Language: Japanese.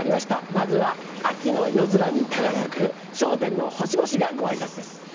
まずは秋の夜空に輝く『笑点』の星々がご挨拶です。